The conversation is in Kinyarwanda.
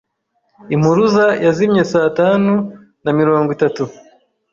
Impuruza yazimye saa tanu na mirongo itatu.